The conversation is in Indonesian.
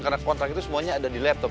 karena kontrak itu semuanya ada di laptop